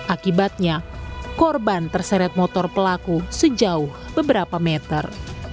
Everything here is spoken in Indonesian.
akibatnya korban terseret motor pelaku sejauh beberapa meter